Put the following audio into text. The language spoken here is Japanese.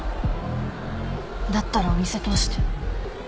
だったらお店通して